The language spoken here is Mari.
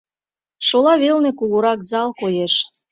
Шола велне кугурак зал коеш.